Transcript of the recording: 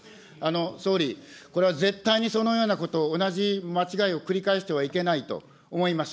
総理、これは絶対にそのようなこと、同じ間違いを繰り返してはいけないと思います。